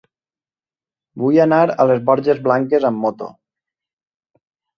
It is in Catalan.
Vull anar a les Borges Blanques amb moto.